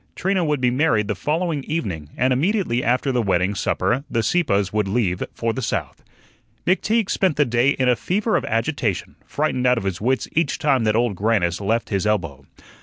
Trina would be married the following evening, and immediately after the wedding supper the Sieppes would leave for the South. McTeague spent the day in a fever of agitation, frightened out of his wits each time that Old Grannis left his elbow.